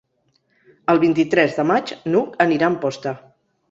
El vint-i-tres de maig n'Hug anirà a Amposta.